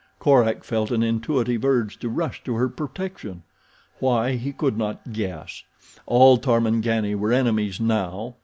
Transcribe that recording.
Korak felt an intuitive urge to rush to her protection. Why, he could not guess. All Tarmangani were enemies now.